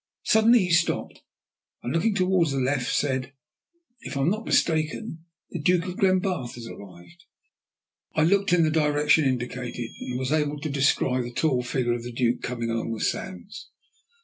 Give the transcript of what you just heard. Suddenly he stopped, and looking towards the left said "If I am not mistaken, the Duke of Glenbarth has arrived." I looked in the direction indicated, and was able to descry the tall figure of the Duke coming along the sands.